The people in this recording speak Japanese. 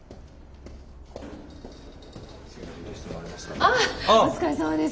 ああお疲れさまです。